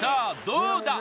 どうだ？